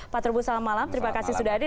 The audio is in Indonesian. pak trubus selamat malam terima kasih sudah hadir